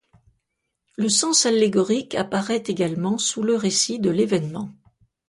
Le sens allégorique apparaît également sous le récit de l'événement.